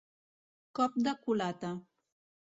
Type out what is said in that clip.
Cop de culata.